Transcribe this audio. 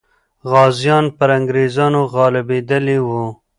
غازیان پر انګریزانو غالبېدلې وو.